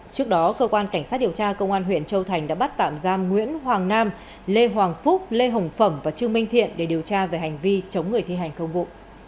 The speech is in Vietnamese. trước đó cơ quan cảnh sát điều tra công an huyện châu thành đã bắt tạm giam nguyễn hoàng nam lê hoàng phúc lê hồng phẩm và trương minh thiện để điều tra về hành vi chống người thi hành công vụ